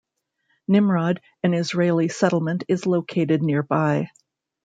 Nimrod, an Israeli settlement, is located nearby.